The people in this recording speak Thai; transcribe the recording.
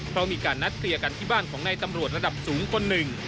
เพราะมีการนัดเคลียร์กันที่บ้านของนายตำรวจระดับสูงคนหนึ่ง